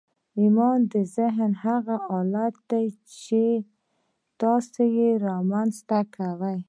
ايمان د ذهن هغه حالت دی چې تاسې يې رامنځته کوئ.